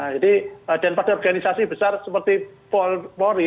jadi pada organisasi besar seperti polri